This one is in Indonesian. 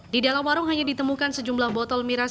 di dalam warung hanya ditemukan sejumlah botol miras